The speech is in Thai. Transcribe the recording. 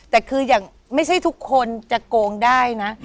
แต่คืออย่างไม่ใช่ทุกคนจะโกงได้นะ